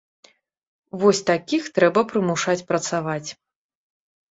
Вось такіх трэба прымушаць працаваць.